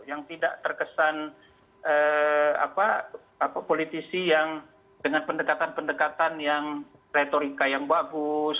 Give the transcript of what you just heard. yang tidak terkesan politisi yang dengan pendekatan pendekatan yang retorika yang bagus